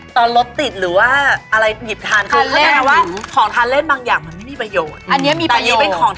ตอนรถติดหรือว่าอะไรหยิบทางเค้าก็จะรู้ว่าของทางเล่นบางอย่างมันไม่มีประโยชน์